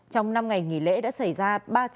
trong năm ngày nghỉ lễ đã xảy ra